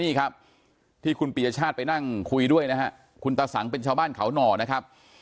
นี่ครับที่คุณปียชาติไปนั่งคุยด้วยนะฮะคุณตาสังเป็นชาวบ้านเขาหน่อนะครับ